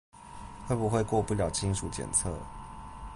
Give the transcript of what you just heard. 會不會過不了金屬探測